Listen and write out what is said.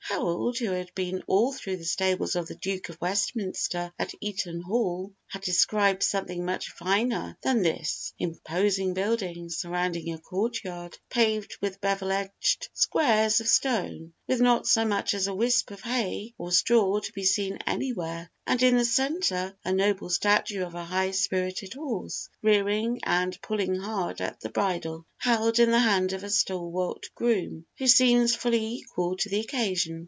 Harold, who had been all through the stables of the Duke of Westminster at Eton Hall, had described something much finer than this imposing buildings surrounding a courtyard paved with bevel edged squares of stone, with not so much as a whisp of hay or straw to be seen anywhere, and in the centre a noble statue of a high spirited horse, rearing and pulling hard at the bridle, held in the hand of a stalwart groom, who seems fully equal to the occasion.